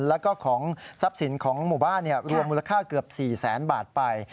แล้วก็ของทรัพย์สินของหมู่บ้านรวมมูลค่าเกือบ๔แสนบาทไป